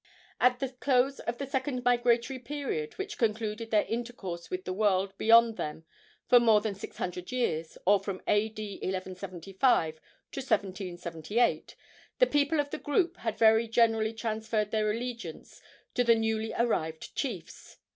At the close of the second migratory period, which concluded their intercourse with the world beyond them for more than six hundred years, or from A.D. 1175 to 1778, the people of the group had very generally transferred their allegiance to the newly arrived chiefs.